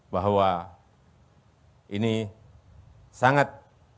bahwa ini sangat diminati oleh indonesia